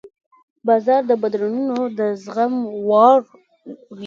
بازار د بدلونونو د زغم وړ وي.